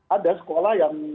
ada sekolah yang